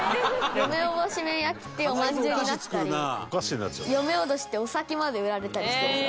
「嫁おどし面焼っていうおまんじゅうになってたり嫁おどしっていうお酒まで売られたりしてるそうです」